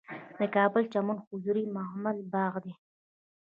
د کابل چمن حضوري مغل باغ دی